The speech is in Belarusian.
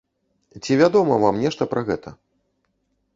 Ці вядома вам нешта пра гэта?